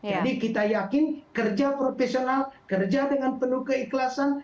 jadi kita yakin kerja profesional kerja dengan penuh keikhlasan